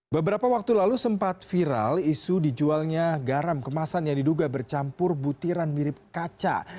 beberapa waktu lalu sempat viral isu dijualnya garam kemasan yang diduga bercampur butiran mirip kaca